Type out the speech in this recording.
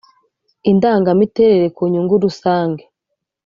indangamiterere ku nyungu rusange